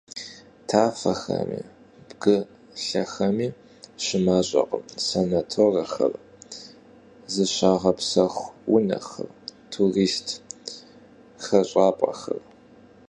Tafexemi bgılhexemi şımaş'ekhım sanatorexer, zışağepsexu vunexer, turist xeş'ap'exer.